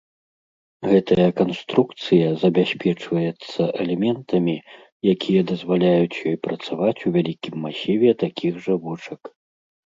Гэтая канструкцыя забяспечваецца элементамі, якія дазваляюць ёй працаваць у вялікім масіве такіх жа вочак.